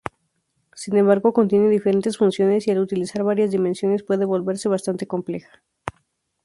Sin embargo, contiene diferentes funciones, y al utilizar varias dimensiones puede volverse bastante compleja.